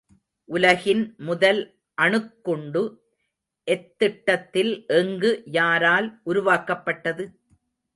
உலகின் முதல் அணுக்குண்டு எத்திட்டத்தில் எங்கு யாரால் உருவாக்கப்பட்டது?